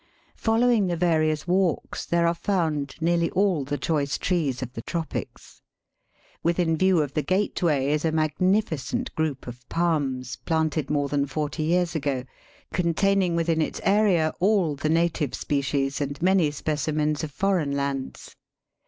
Following the various walks there are found nearly all the choice trees of the tropics. Within view of the gateway is a magnificent group of palms, planted more than forty years ago, containing within its area all the native species and many specimens of foreign lands.